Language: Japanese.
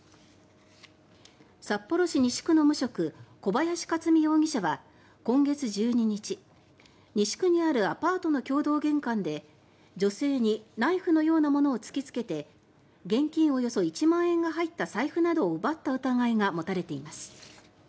札幌市西区の無職小林克巳容疑者は今月１２日西区にあるアパートの共同玄関で女性にナイフのようなものを突きつけて現金およそ１万円が入った財布などを奪った疑いが持たれています。